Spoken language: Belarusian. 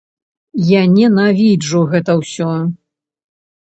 Я ненавіджу гэта ўсё.